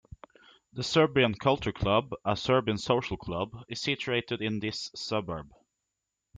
The "Serbian Cultural Club", a Serbian social club, is situated in this suburb.